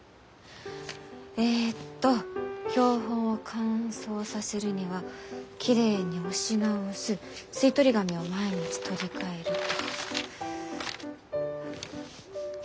えっと標本を乾燥させるにはきれいに押し直す吸い取り紙を毎日取り替えると。